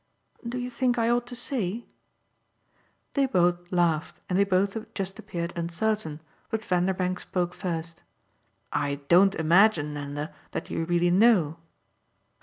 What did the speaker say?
"Do you think I ought to say?" They both laughed and they both just appeared uncertain, but Vanderbank spoke first. "I don't imagine, Nanda, that you really know."